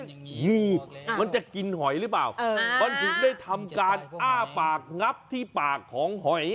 งูมันจะกินหอยหรือเปล่ามันถึงได้ทำการอ้าปากงับที่ปากของหอย